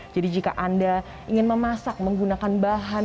jadi jika anda ingin memasak menggunakan bahan yang lebih kering